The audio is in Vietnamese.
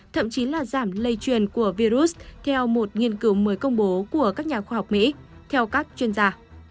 thậm chí là giảm lây truyền của virus theo một nghiên cứu mới công bố của các nhà khoa học mỹ theo các chuyên gia